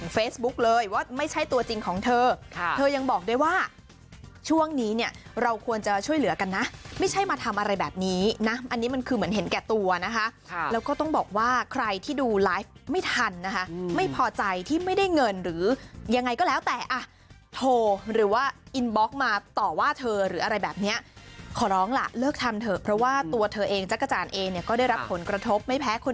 เลยว่าไม่ใช่ตัวจริงของเธอเธอยังบอกด้วยว่าช่วงนี้เนี่ยเราควรจะช่วยเหลือกันนะไม่ใช่มาทำอะไรแบบนี้นะอันนี้มันคือเหมือนเห็นแก่ตัวนะคะแล้วก็ต้องบอกว่าใครที่ดูไลฟ์ไม่ทันนะคะไม่พอใจที่ไม่ได้เงินหรือยังไงก็แล้วแต่อ่ะโทรหรือว่าอินบล็อกมาต่อว่าเธอหรืออะไรแบบเนี้ยขอร้องล่ะเลิกทำเถอะเพราะว่าตัวเธอเองจักรจานเองเนี่ยก็ได้รับผลกระทบไม่แพ้คน